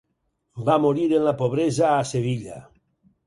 Va morir en la pobresa a Sevilla.